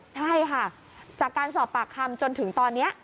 ใช่ค่ะจากการสอบปากคำจนถึงตอนนี้